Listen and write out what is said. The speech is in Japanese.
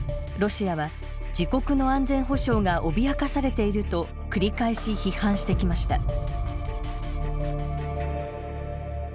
ロシアは自国の安全保障が脅かされていると繰り返し批判してきました。